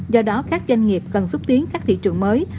do đó các doanh nghiệp cần xúc tiến các thị trường mới